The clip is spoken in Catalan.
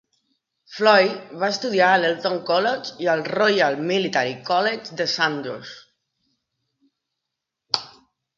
Floyd va estudiar a l'Eton College i al Royal Military College de Sandhurst.